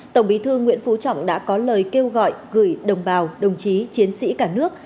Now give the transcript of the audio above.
tổng bí thư nguyễn phú trọng đã có lời kêu gọi gửi đồng bào đồng chí chiến sĩ cả nước